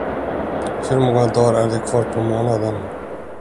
Hur många dar är det kvar på månaden?